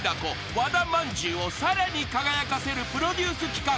［和田まんじゅうをさらに輝かせるプロデュース企画］